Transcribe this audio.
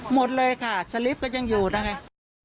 หมดเลยค่ะสลิปก็ยังอยู่นะคะ